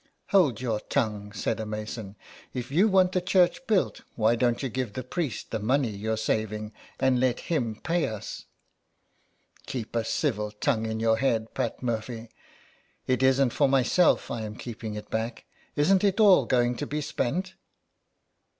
" Hold your tongue," said a mason. '' If you want the church built why don't you give the priest the money you're saving, and let him pay us ?'*'' Keep a civil tongue in your head, Pat Murphy. It isn't for myself I am keeping it back. Isn't it all going to be spent